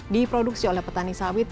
diproduksi oleh petani sawit